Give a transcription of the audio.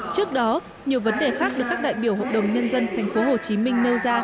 trước đó nhiều vấn đề khác được các đại biểu hội đồng nhân dân tp hcm nêu ra